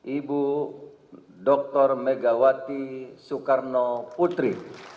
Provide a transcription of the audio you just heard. ibu dr megawati soekarno putri